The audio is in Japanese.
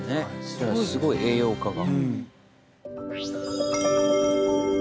じゃあすごい栄養価が。